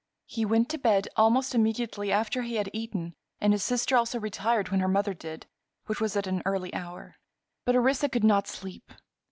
He went to bed almost immediately after he had eaten and his sister also retired when her mother did, which was at an early hour. But Orissa could not sleep.